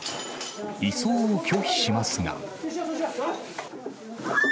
移送を拒否しますが。